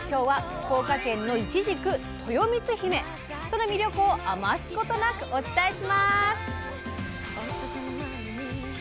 その魅力を余すことなくお伝えします！